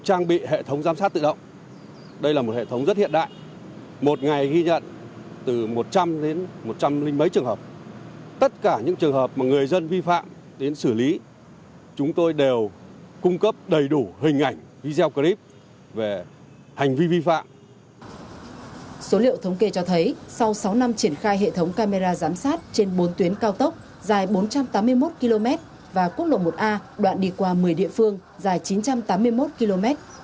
số liệu thống kê cho thấy sau sáu năm triển khai hệ thống camera giám sát trên bốn tuyến cao tốc dài bốn trăm tám mươi một km và quốc lộ một a đoạn đi qua một mươi địa phương dài chín trăm tám mươi một km